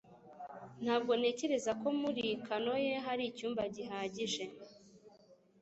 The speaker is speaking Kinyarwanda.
Ntabwo ntekereza ko muri kanoe hari icyumba gihagije